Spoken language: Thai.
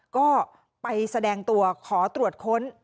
ก็ไปแสดงตัวขอตรวจค้น